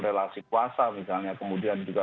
relasi kuasa misalnya kemudian juga